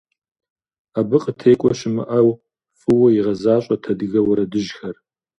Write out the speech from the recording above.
Абы къытекӀуэ щымыӀэу фӀыуэ игъэзащӀэрт адыгэ уэрэдыжьхэр.